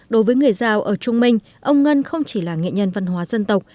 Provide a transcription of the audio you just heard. đối với người giao ở trung minh ông ngân không chỉ là nghệ nhân văn hóa dân tộc